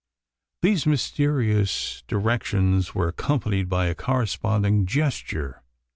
These mysterious directions were accompanied by a corresponding gesture.